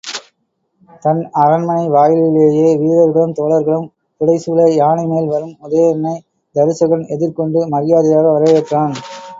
தன் அரண்மனை வாயிலிலேயே வீரர்களும் தோழர்களும் புடைசூழ யானைமேல் வரும் உதயணனைத் தருசகன் எதிர்கொண்டு மரியாதையாக வரவேற்றான்.